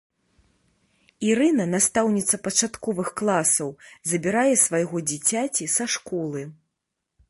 Ірына, настаўніца пачатковых класаў, забірае свайго дзіцяці са школы.